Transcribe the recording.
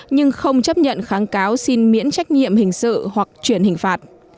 nhưng không chấp nhận kháng cáo xin miễn trách nhiệm hình sự hoặc chuyển hình phạt